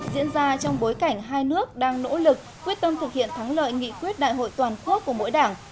diễn ra trong bối cảnh hai nước đang nỗ lực quyết tâm thực hiện thắng lợi nghị quyết đại hội toàn quốc của mỗi đảng